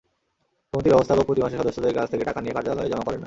সমিতির ব্যবস্থাপক প্রতিমাসে সদস্যদের কাছ থেকে টাকা নিয়ে কার্যালয়ে জমা করেন না।